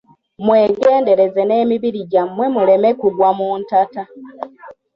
Mwegendereze nemibiri gy'amwe muleme kugwa mu ntata.